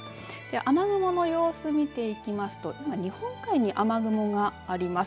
雨雲の様子、見ていきますと今、日本海に雨雲があります。